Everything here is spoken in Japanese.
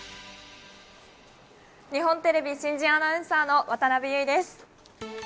日本テレビ新人アナウンサーの渡邉結衣です。